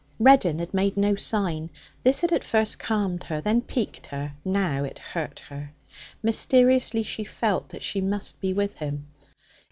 Reddin had made no sign. This had at first calmed her, then piqued her; now it hurt her. Mysteriously she felt that she must be with him.